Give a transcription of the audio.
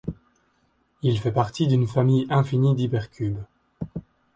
Il fait partie d'une famille infinie d'hypercubes.